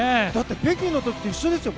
北京の時と一緒ですよ。